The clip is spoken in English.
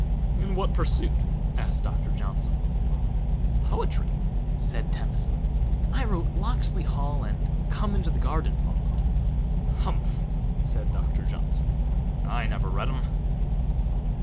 "In what pursuit?" asked Doctor Johnson. "Poetry," said Tennyson. "I wrote 'Locksley Hall' and 'Come into the Garden, Maude.'" "Humph!" said Doctor Johnson. "I never read 'em."